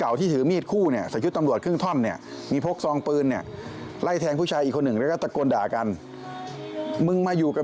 แล้วทำไมมึงไม่จบประมาณนั้นทำไมมึงไม่จบ